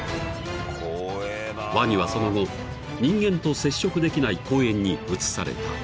［ワニはその後人間と接触できない公園に移された］